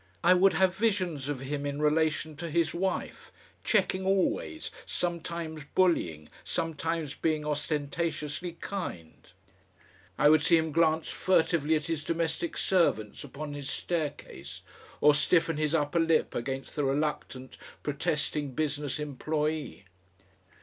I would have visions of him in relation to his wife, checking always, sometimes bullying, sometimes being ostentatiously "kind"; I would see him glance furtively at his domestic servants upon his staircase, or stiffen his upper lip against the reluctant, protesting business employee.